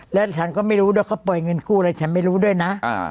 แล้วฉันก็ไม่รู้ด้วยเขาปล่อยเงินกู้อะไรฉันไม่รู้ด้วยนะ